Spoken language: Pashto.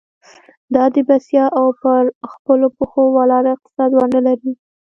دا د بسیا او پر خپلو پخو ولاړ اقتصاد ونډه لري.